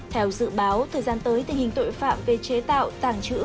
theo dự báo thời gian tới tình hình tội phạm về chế tạo tàng trữ